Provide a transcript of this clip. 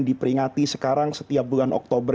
diperingati sekarang setiap bulan oktober